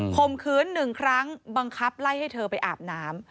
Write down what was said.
มขืนหนึ่งครั้งบังคับไล่ให้เธอไปอาบน้ำ